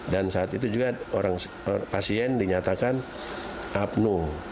dan saat itu juga pasien dinyatakan abnu